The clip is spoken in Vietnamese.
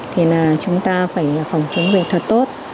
thì chúng ta phải phòng chống dịch thật tốt